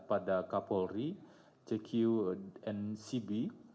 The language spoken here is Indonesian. pada kapolri cqncb